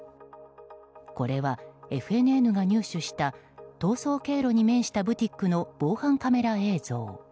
これはＦＮＮが入手した逃走経路に面したブティックの防犯カメラ映像。